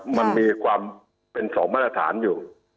มันมีความเป็นสองมาตรฐานอยู่